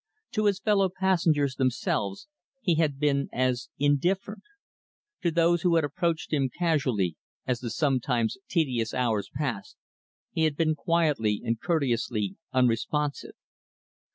To his fellow passengers, themselves, he had been as indifferent. To those who had approached him casually, as the sometimes tedious hours passed, he had been quietly and courteously unresponsive.